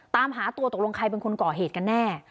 ตามหาตัวตกลงใครเป็นคนก่อเหตุกันแน่